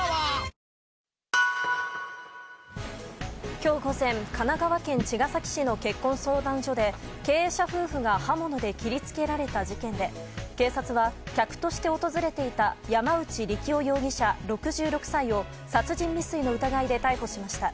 今日午前、神奈川県茅ヶ崎市の結婚相談所で経営者夫婦が刃物で切りつけられた事件で警察は客として訪れていた山内利喜夫容疑者、６６歳を殺人未遂の疑いで逮捕しました。